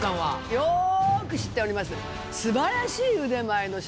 よーく知っております。